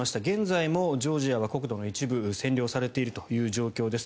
現在もジョージアは国土の一部を占領されているという状況。